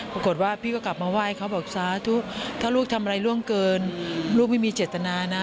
ปรากฏว่าพี่ก็กลับมาไหว้เขาบอกสาธุถ้าลูกทำอะไรร่วงเกินลูกไม่มีเจตนานะ